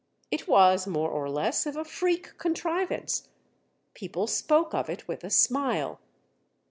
It was more or less of a freak contrivance. People spoke of it with a smile.